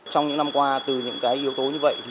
trong những năm qua từ những yếu tố như vậy